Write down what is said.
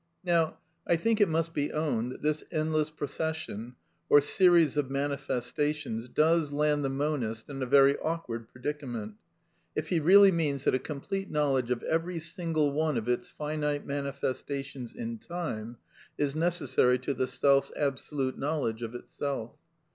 Now, I think, it must be owned that this endless pro cession, or series of manifestations does land the monist in a very awkward predicament, if he really means that a complete knowledge of every single one of its finite mani festations in time is necessary to the Self s absolute knowledge of itself.